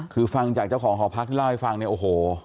คือฟังจากเจ้าของหอพักที่เล่าให้ฟังเนี่ยโอ้โห